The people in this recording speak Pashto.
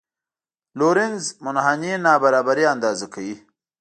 لورینز منحني نابرابري اندازه کوي.